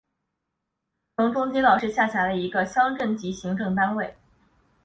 城中街道是下辖的一个乡镇级行政单位。